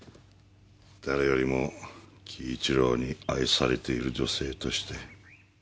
誰よりも輝一郎に愛されている女性として。